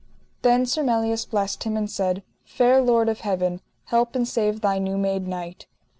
Then Sir Melias blessed him and said: Fair lord of heaven, help and save thy new made knight.